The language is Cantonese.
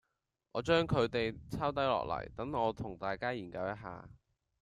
我將佢哋抄低落嚟，等我同大家研究一下